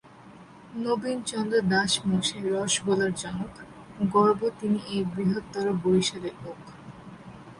নবীন চন্দ্র দাস মসাই রশগোলার জনক, গর্ব তিনি এই বৃহত্তর বরিশালের লোক।